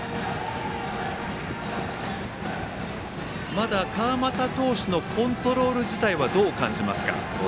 まだ、川又投手のコントロール自体はどう感じますか？